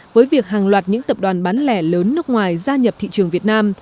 với việc hàng loạt những tập đoàn bán lẻ lớn nước ngoài gia nhập thị trường việt nam